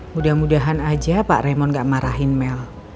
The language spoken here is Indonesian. mudah mudahan aja pak remond gak marahin mel